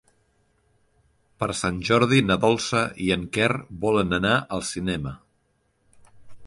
Per Sant Jordi na Dolça i en Quer volen anar al cinema.